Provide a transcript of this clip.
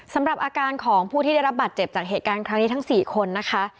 สำหรับอาการของผู้ที่ได้รับบาดเจ็บจากเหตุการณ์ครั้งนี้ทั้ง๔คนนะคะ